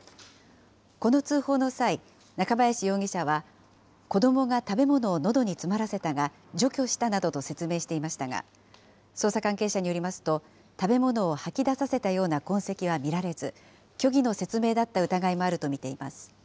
この通報の際、中林容疑者は、子どもが食べ物をのどに詰まらせたが除去したなどと説明していましたが、捜査関係者によりますと、食べ物を吐き出させたような痕跡は見られず、虚偽の説明だった疑いもあると見ています。